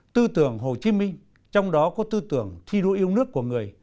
tư tưởng hồ chí minh trong đó có tư tưởng thi đua yêu nước của người